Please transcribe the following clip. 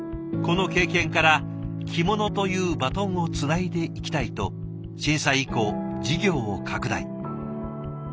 この経験から「着物というバトンをつないでいきたい」と震災以降事業を拡大。